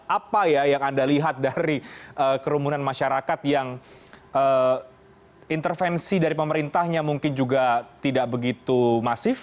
apa ya yang anda lihat dari kerumunan masyarakat yang intervensi dari pemerintahnya mungkin juga tidak begitu masif